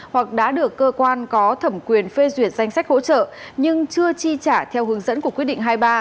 hoặc đã được cơ quan có thẩm quyền phê duyệt danh sách hỗ trợ nhưng chưa chi trả theo hướng dẫn của quyết định hai mươi ba